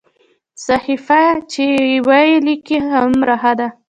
صحیفه چې وي لیکلې هومره ښه ده.